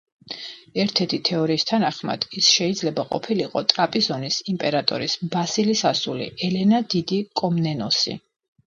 ერთ-ერთი თეორიის თანახმად, ის შეიძლება ყოფილიყო ტრაპიზონის იმპერატორის, ბასილის ასული, ელენა დიდი კომნენოსი.